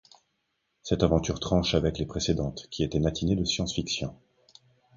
Cette aventure tranche avec les précédentes qui étaient mâtinées de science-fiction.